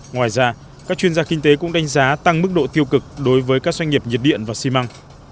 ngoài ra các chuyên gia kinh tế cũng đánh giá tăng mức độ tiêu cực đối với các doanh nghiệp nhiệt điện và xi măng